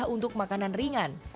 untuk makanan ringan